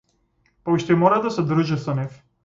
Па уште и мора да се дружи со нив.